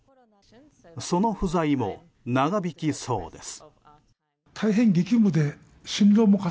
その不在も長引きそうです。